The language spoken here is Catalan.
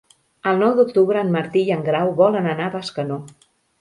El nou d'octubre en Martí i en Grau volen anar a Bescanó.